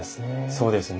そうですね。